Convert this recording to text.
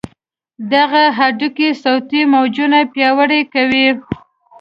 دغه هډوکي صوتي موجونه پیاوړي کوي.